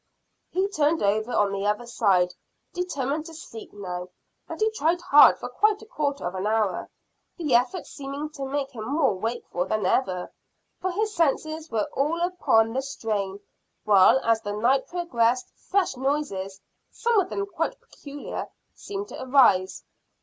He turned over on the other side, determined to sleep now, and he tried hard for quite a quarter of an hour, the effort seeming to make him more wakeful than ever, for his senses were all upon the strain, while as the night progressed fresh noises, some of them quite peculiar, seemed to arise.